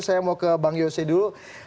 saya mau ke bang yose dulu